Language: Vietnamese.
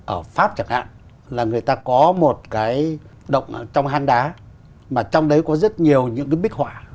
ở pháp chẳng hạn là người ta có một cái động trong han đá mà trong đấy có rất nhiều những cái bích họa